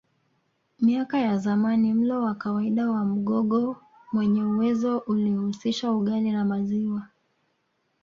Miaka ya zamani mlo wa kawaida wa Mgogo mwenye uwezo ulihusisha ugali na maziwa